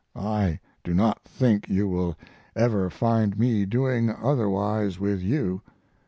I do not think you will ever find me doing otherwise with you.